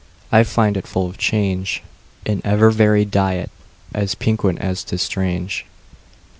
I find it full of change, An ever varied diet, As piquant as 'tis strange.